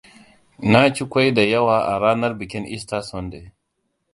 Na ci kwai da yawa a ranar bikin Easter Sunday.